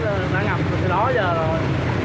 em đã ngập được cái đó giờ rồi